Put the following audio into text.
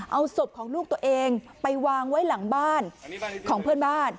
เอาศพของลูกตัวเองไปวางไว้หลังบ้านของเพื่อนบ้าน